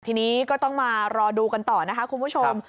ทีนี้ก็ต้องมารอดูกันต่อนะคะคุณผู้ชม